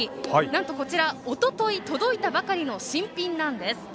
なんとこちらおとといとどいたばかりの新品なんです。